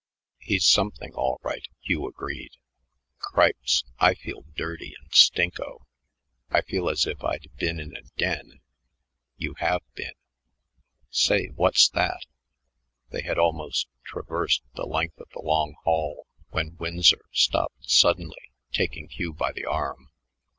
"He's something all right," Hugh agreed. "Cripes, I feel dirty and stinko. I feel as if I'd been in a den." "You have been. Say, what's that?" They had almost traversed the length of the long hall when Winsor stopped suddenly, taking Hugh by the arm.